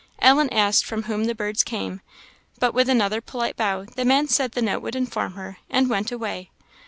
Ellen asked from whom the birds came, but with another polite bow the man said the note would inform her, and went away.